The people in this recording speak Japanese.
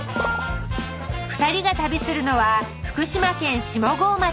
２人が旅するのは福島県下郷町。